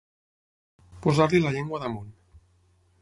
Posar-li la llengua damunt.